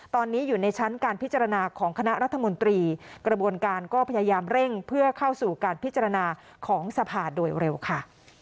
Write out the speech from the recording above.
ตอนนี้อยู่ในชั้นการพิจารณาของคณะรัฐมนตรีกระบวนการก็พยายามเร่งเพื่อเข้าสู่การพิจารณาของสภาโดยเร็วค่ะ